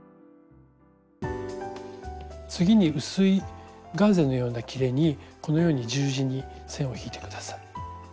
次に薄いガーゼのようなきれにこのように十字に線を引いて下さい。